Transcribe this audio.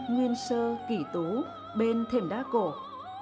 nguyên sơ kỷ tú bên thềm đá cột